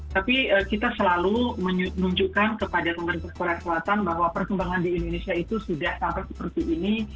tapi kita selalu menunjukkan kepada pemerintah korea selatan bahwa perkembangan di indonesia itu sudah sampai seperti ini